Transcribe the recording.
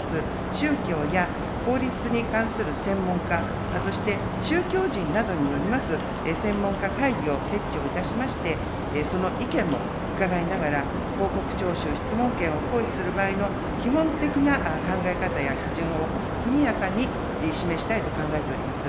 宗教や法律に関する専門家、そして宗教人などによります専門家会議を設置をいたしまして、その意見も伺いながら、報告徴収、質問権を行使する場合の基本的な考え方や基準を速やかに示したいと考えております。